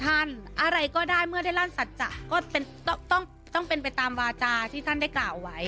ทางทางอะไรก็ได้เมื่อได้ร่างสัจจะก็ต้องต้องเป็นไปตามวาฏิบาทที่ท่านได้กล่าวไว้